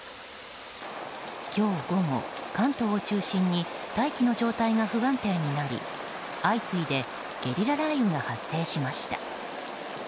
今日午後、関東を中心に大気の状態が不安定になり相次いでゲリラ雷雨が発生しました。